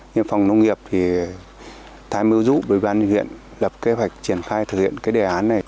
nhưng phòng nông nghiệp thì thay mưu dụ bởi bán huyện lập kế hoạch triển khai thực hiện cái đề án này